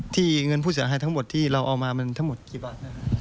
ที่เงินผู้เสียงให้ทั้งหมดที่เราเอามามันทั้งหมดกี่บาทนะครับ